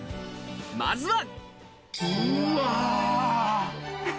まずは。